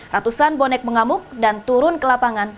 ratusan bonek mengamuk dan turun ke lapangan